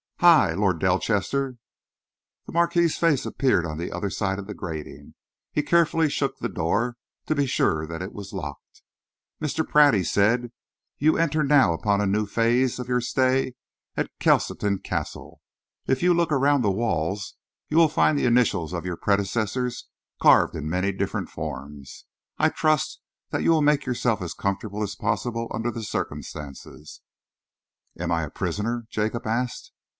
"Hi! Lord Delchester!" The Marquis's face appeared on the other side of the grating. He carefully shook the door, to be sure that it was locked. "Mr. Pratt," he said, "you enter now upon a new phase of your stay at Kelsoton Castle. If you look around the walls, you will find the initials of your predecessors carved in many different forms. I trust that you will make yourself as comfortable as possible under the circumstances." "Am I a prisoner?" Jacob asked.